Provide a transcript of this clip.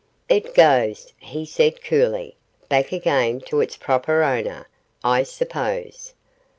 'It goes,' he said coolly, 'back again to its proper owner, I suppose.